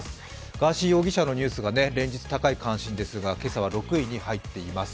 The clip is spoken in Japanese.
ガーシー容疑者のニュースが連日、高い関心ですが、今朝は６位に入っています。